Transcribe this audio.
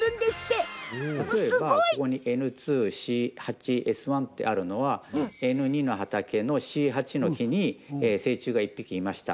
例えば、ここにｎ２−ｃ８ｓ１ってあるのはｎ２の畑のｃ８の木に成虫が１匹いました。